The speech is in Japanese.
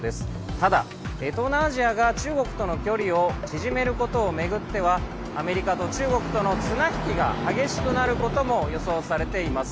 ただ東南アジアが中国との距離を縮めることを巡ってはアメリカと中国との綱引きが激しくなることも予想されています。